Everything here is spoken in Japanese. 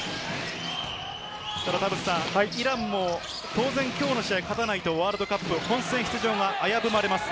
イランも当然、今日の試合を勝たないと、ワールドカップ本戦出場が危ぶまれます。